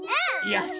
よし！